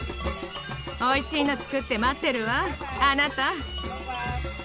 おいしいの作って待ってるわあなた。